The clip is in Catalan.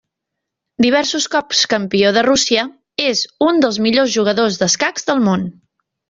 Diversos cops Campió de Rússia, és un dels millors jugadors d'escacs del món.